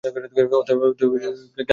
অতএব এই সত্ত্ব লাভ করা অতি আবশ্যক।